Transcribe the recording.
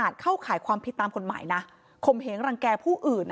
ตามความหมายนะขมเหงรังแก่ผู้อื่น